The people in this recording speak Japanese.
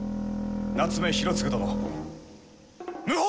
夏目広次殿謀反！